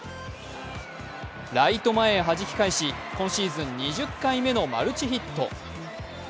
ライト前へはじき返し今シーズン２０回目のマルチヒット。